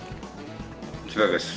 こちらです。